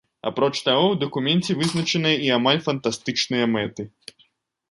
Апроч таго, у дакуменце вызначаныя і амаль фантастычныя мэты.